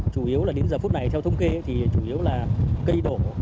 chủ yếu là đến giờ phút này theo thông kê thì chủ yếu là cây đổ